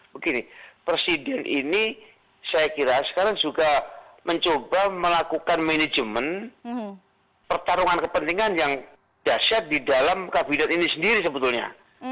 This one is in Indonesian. begini presiden ini saya kira sekarang juga mencoba melakukan manajemen pertarungan kepentingan yang dahsyat di dalam kabinet ini sendiri sebetulnya